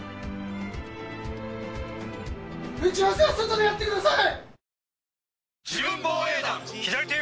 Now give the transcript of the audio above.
打ち合わせは外でやってください！